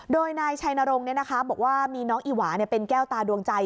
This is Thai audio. โดยนายชัยนรงค์บอกว่ามีน้องอีหวาเป็นแก้วตาดวงใจ